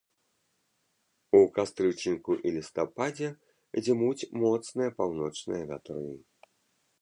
У кастрычніку і лістападзе дзьмуць моцныя паўночныя вятры.